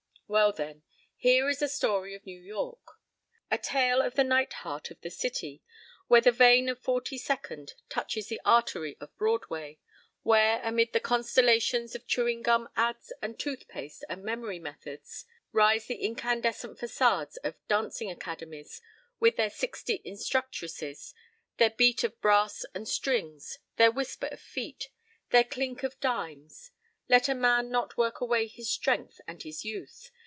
p> Well, then, here is a story of New York. A tale of the night heart of the city, where the vein of Forty Second touches the artery of Broadway; where, amid the constellations of chewing gum ads and tooth paste and memory methods, rise the incandescent façades of "dancing academies" with their "sixty instructresses," their beat of brass and strings, their whisper of feet, their clink of dimes.—Let a man not work away his strength and his youth.